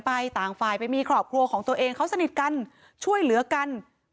ต่างฝ่ายไปมีครอบครัวของตัวเองเขาสนิทกันช่วยเหลือกัน